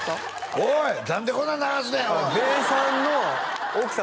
おい何でこんなん流すねん！